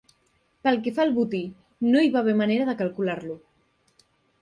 Pel que fa al botí, no hi va haver manera de calcular-lo.